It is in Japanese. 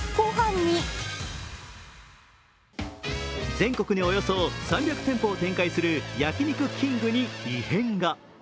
全国におよそ３００店舗を展開する焼肉きんぐに異変が。